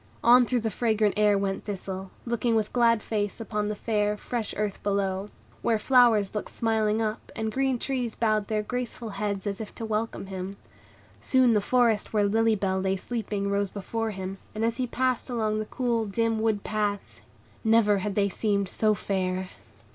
On through the fragrant air went Thistle, looking with glad face upon the fair, fresh earth below, where flowers looked smiling up, and green trees bowed their graceful heads as if to welcome him. Soon the forest where Lily Bell lay sleeping rose before him, and as he passed along the cool, dim wood paths, never had they seemed so fair.